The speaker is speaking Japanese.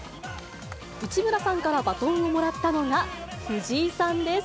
内村さんからバトンをもらったのが藤井さんです。